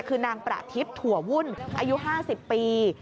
คือนางประทิพย์ถั่ววุ่นอายุ๕๐ปี